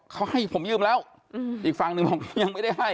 เขาให้ผมยืมแล้วอีกฝั่งหนึ่งบอกยังไม่ได้ให้